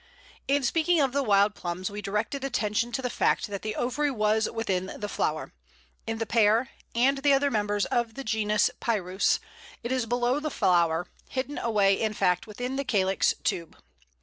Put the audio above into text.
In speaking of the Wild Plums we directed attention to the fact that the ovary was within the flower; in the Pear (and the other members of the genus Pyrus) it is below the flower, hidden away in fact within the calyx tube.